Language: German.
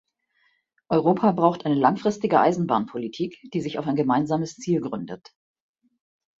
Europa braucht eine langfristige Eisenbahnpolitik, die sich auf ein gemeinsames Ziel gründet.